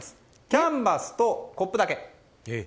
キャンバスとコップだけ。